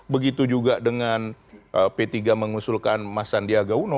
begitu juga dengan p tiga mengusulkan mas sandiaga uno